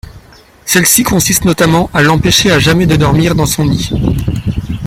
Celle-ci consiste notamment à l'empêcher à jamais de dormir dans son lit.